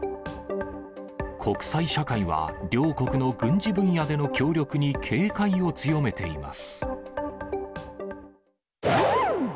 国際社会は両国の軍事分野での協力に警戒を強めています。